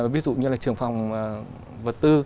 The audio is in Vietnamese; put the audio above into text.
ví dụ như là trường phòng vật tư